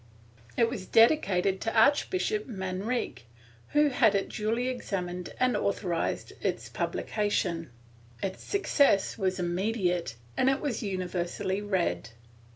It was dedicated to Archbishop Manrique, who had it duly examined and authorized its publication; its success was immediate, and it was universally read.